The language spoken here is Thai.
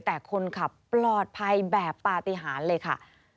แต่คนขับปลอดภัยแบบปฏิหารเลยค่ะ